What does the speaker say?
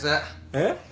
えっ？